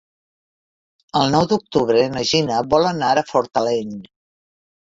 El nou d'octubre na Gina vol anar a Fortaleny.